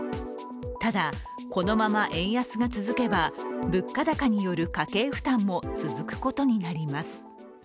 ただ、このまま円安が続けば物価高による家計負担も続くことになります。